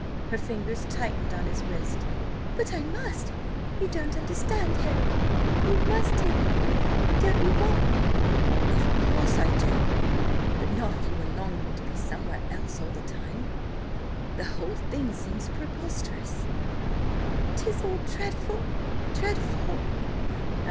Her fingers tightened on his wrist. "But I must! You don't understand, Harry! You must take me! Don't you want me?" "Of course I do, but not if you are longing to be somewhere else all the time. The whole thing seems preposterous!" "'Tis all dreadful!–dreadful!